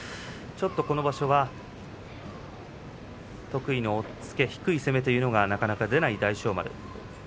ちょっと、この場所は得意の押っつけ、低い攻めというのがなかなか出ない大翔丸。